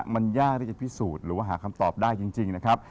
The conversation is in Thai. มันยากที่จะพิสูจน์หรือว่าหาคำตอบได้จริงนะครับ